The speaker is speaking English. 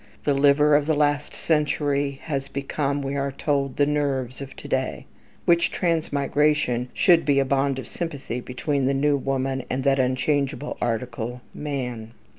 The "liver" of the last century has become, we are told, the "nerves" of to day; which transmigration should be a bond of sympathy between the new woman and that unchangeable article, man.